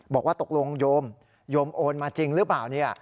บอกว่าตกลงโยมโยมโอนมาจริงหรือเปล่าเนี่ย